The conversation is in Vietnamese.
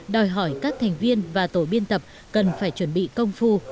đòi hỏi các thành viên và tổ biên tập cần phải chuẩn bị công phu